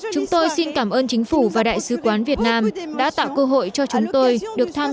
chúng tôi xin cảm ơn chính phủ và đại sứ quán việt nam đã tạo cơ hội cho chúng tôi được tham